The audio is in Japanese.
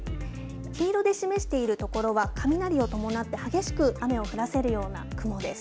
黄色で示している所は、雷を伴って激しく雨を降らせるような雲です。